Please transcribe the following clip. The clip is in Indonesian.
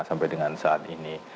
sampai dengan saat ini